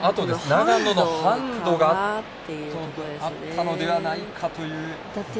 長野のハンドがあったのではないかという。